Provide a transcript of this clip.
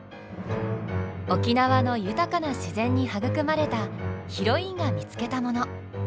沖縄の豊かな自然に育まれたヒロインが見つけたもの。